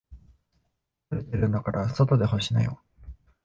晴れてるんだから外で干しなよ。